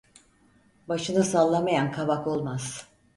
Başını sallamayan kavak olmaz.